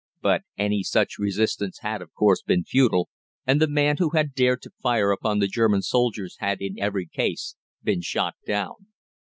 But any such resistance had, of course, been futile, and the man who had dared to fire upon the German soldiers had in every case been shot down.